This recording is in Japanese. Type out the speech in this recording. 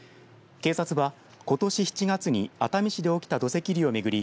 警察は、ことし７月に熱海市で起きた土石流を巡り